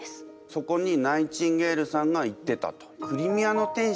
そこにナイチンゲールさんが行ってたと。